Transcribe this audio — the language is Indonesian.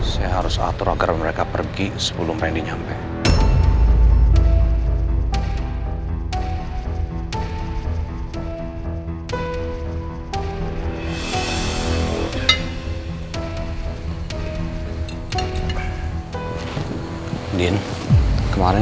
saya harus atur agar mereka pergi sebelum rendy nyampe